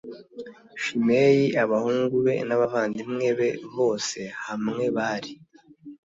Shimeyi abahungu be n abavandimwe be bose hamwe bari